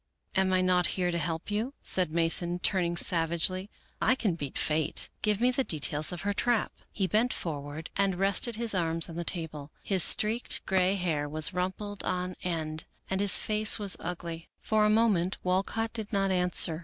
" Am I not here to help you ?" said Mason, turning sav agely. " I can beat Fate. Give me the details of her trap." He bent forward and rested his arms on the table. His streaked gray hair was rumpled and on end, and his face was ugly. For a moment Walcott did not answer.